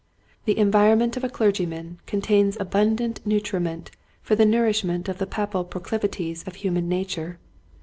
The environment Autocracy, 119 of a clergyman contains abundant nutri ment for the nourishment of the papal proclivities of human nature.